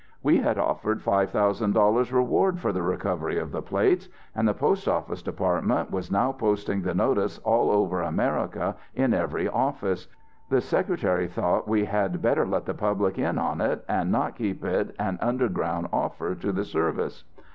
We had offered five thousand dollars reward for the recovery of the plates, and the Postoffice Department was now posting the notice all over America in every office. The Secretary thought we had better let the public in on it and not keep it an underground offer to the service.